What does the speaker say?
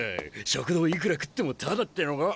食堂いくら食ってもタダってのが。